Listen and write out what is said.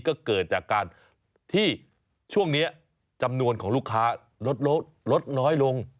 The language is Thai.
ก็เกิดจากการที่ช่วงนี้จำนวนของลูกค้าลดน้อยลง